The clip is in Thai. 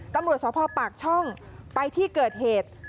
ตำรวจสพปากช่องไปที่เกิดเหตุ